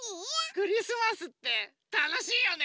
クリスマスってたのしいよね！